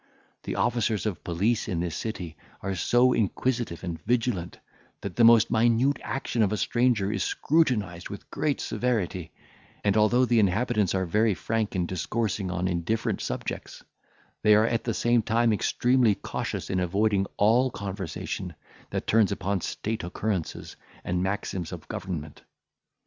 The officers of police in this city are so inquisitive and vigilant that the most minute action of a stranger is scrutinised with great severity; and, although the inhabitants are very frank in discoursing on indifferent subjects, they are at the same time extremely cautious in avoiding all conversation that turns upon state occurrences and maxims of government.